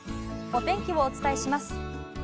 お天気をお伝えします。